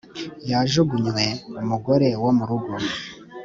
Yajugunywe umugore wo murugo